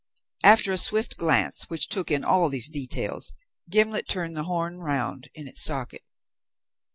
After a swift glance, which took in all these details, Gimblet turned the horn round in its socket.